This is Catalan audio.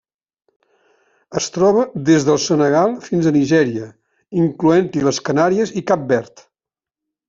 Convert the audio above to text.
Es troba des del Senegal fins a Nigèria, incloent-hi les Canàries i Cap Verd.